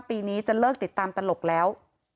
ปีนี้จะเลิกติดตามตลกแล้ว